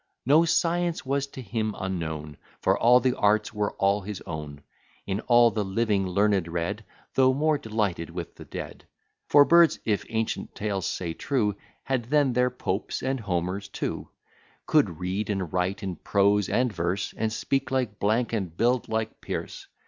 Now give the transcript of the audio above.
No science was to him unknown, For all the arts were all his own: In all the living learned read, Though more delighted with the dead: For birds, if ancient tales say true, Had then their Popes and Homers too; Could read and write in prose and verse, And speak like , and build like Pearce.